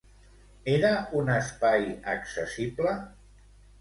Era un espai accessible?